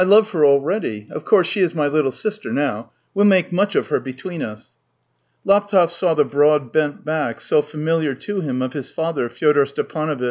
1 love her already. Of course, she is my Httle sister now. W'e'U make much of her between us." Laptev saw the broad, bent back — so famihar to him — of his father, Fyodor Stepanovitch.